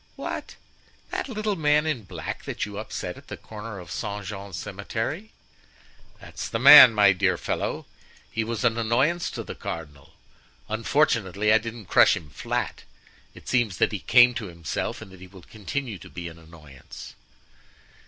"What! that little man in black that you upset at the corner of Saint Jean Cemetery?" "That's the man, my dear fellow; he was an annoyance to the cardinal. Unfortunately, I didn't crush him flat. It seems that he came to himself and that he will continue to be an annoyance."